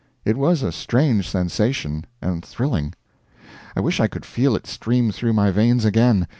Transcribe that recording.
It was a strange sensation, and thrilling. I wish I could feel it stream through my veins again.